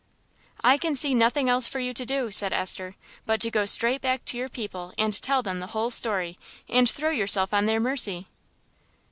"I can see nothing else for you to do," said Esther, "but to go straight back to your people and tell them the whole story, and throw yourself on their mercy."